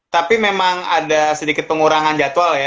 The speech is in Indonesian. tapi memang ada sedikit pengurangan jadwal ya